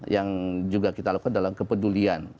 yang juga kita lakukan adalah kepedulian